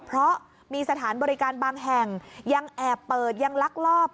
เพราะมีสถานบริการบางแห่งยังแอบเปิดยังลักลอบ